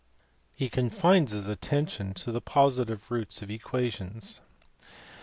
He confines his attention to the positive roots of equations.